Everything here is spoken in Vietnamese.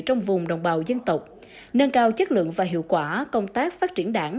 trong vùng đồng bào dân tộc nâng cao chất lượng và hiệu quả công tác phát triển đảng